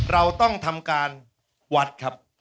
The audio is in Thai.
เราต้องทำการวัดครับ